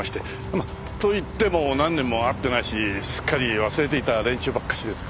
まあと言っても何年も会ってないしすっかり忘れていた連中ばっかりですが。